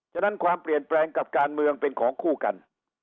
ฉะนั้นความเปลี่ยนแปลงกับการเมืองเป็นของคู่กัน